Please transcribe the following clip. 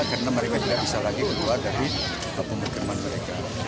karena mereka tidak bisa lagi keluar dari kampung pemukiman mereka